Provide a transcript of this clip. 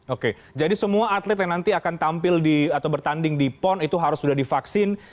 oke jadi semua atlet yang nanti akan tampil atau bertanding di pon itu harus sudah divaksin